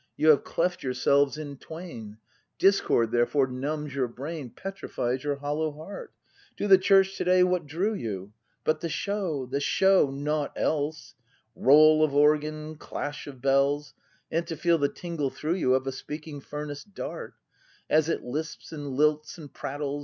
You have cleft yourselves in twain; Discord therefore numbs your brain. Petrifies your hollow heart. To the Church to day what drew you ? But the show, the show — nought else! — Roll of organ, clash of bells, — And to feel the tingle through you Of a speaking furnace dart, As it lisps and lilts and prattles.